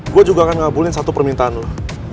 gue juga akan ngabulin satu permintaan loh